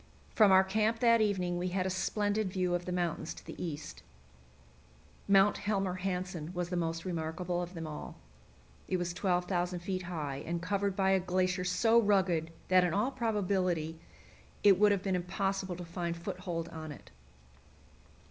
From our camp that evening we had a splendid view of the mountains to the east. Mount Helmer Hansen was the most remarkable of them all; it was 12,000 feet high, and covered by a glacier so rugged that in all probability it would have been impossible to find foothold on it.